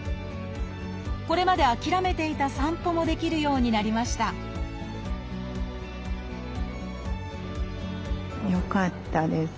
これまで諦めていた散歩もできるようになりましたよかったです。